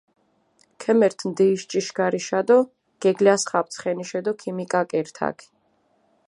ქემერთჷ ნდიიში ჭიშქარიშა დო გეგლასხაპჷ ცხენიშე დო ქიმიკაკირჷ თაქი.